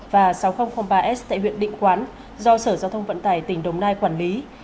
và sáu nghìn ba s tại huyện định quán do sở giao thông vận tải tỉnh đồng nai quản lý